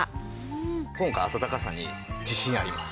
今回暖かさに自信あります。